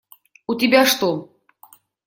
У тебя что?